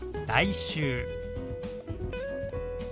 「来週」。